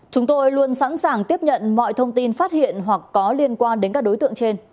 chúng tôi luôn sẵn sàng tiếp nhận mọi thông tin phát hiện hoặc có liên quan đến các đối tượng trên